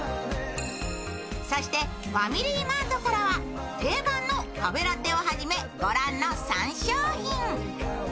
そしてファミリーマートからは定番のカフェラテをはじめ御覧の３商品。